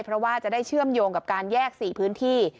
เพราะว่าจะได้เชื่อมโยงกับการแยก๔พื้นที่